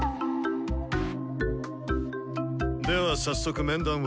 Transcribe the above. では早速面談を。